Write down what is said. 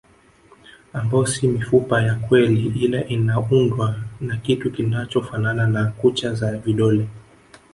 Ambao si mifupa ya kweli ila inaundwa na kitu kinachofanana na kucha za vidole